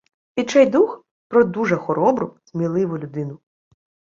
Відчайдух – про дуже хоробру, сміливу людину.